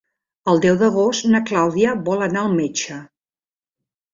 El deu d'agost na Clàudia vol anar al metge.